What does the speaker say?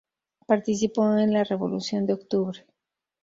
Participó en la Revolución de Octubre.